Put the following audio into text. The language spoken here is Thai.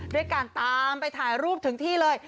ด้วยการตามไปถ่ายรูปถึงที่เลย